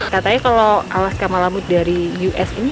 katanya kalau alaska malamute dari us ini